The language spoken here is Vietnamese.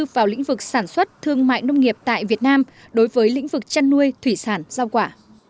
vào lĩnh vực sản xuất thương mại nông nghiệp tại việt nam đối với lĩnh vực chăn nuôi thủy sản giao quả